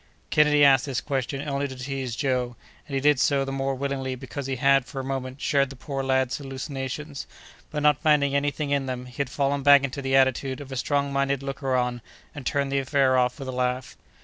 Kennedy asked this question only to tease Joe; and he did so the more willingly because he had, for a moment, shared the poor lad's hallucinations; but, not finding any thing in them, he had fallen back into the attitude of a strong minded looker on, and turned the affair off with a laugh.